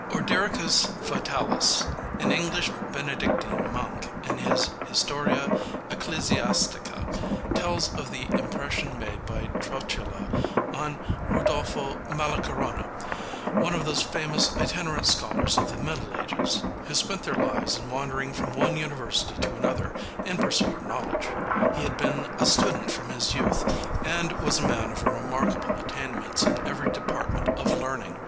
Ordericus Vitalis, an English Benedictine monk, in his Historia Ecclesiastica, tells us of the impression made by Trotula on Rudolfo Malacorona, one of those famous itinerant scholars of the Middle Ages, who spent their lives in wandering from one university to another in pursuit of knowledge. He had been a student from his youth and was a man of remarkable attainments in every department of learning.